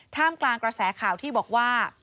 กลางกระแสข่าวที่บอกว่า